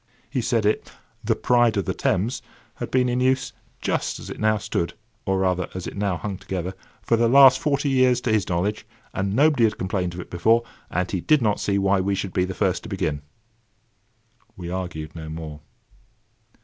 He said it, The Pride of the Thames, had been in use, just as it now stood (or rather as it now hung together), for the last forty years, to his knowledge, and nobody had complained of it before, and he did not see why we should be the first to begin. We argued no more.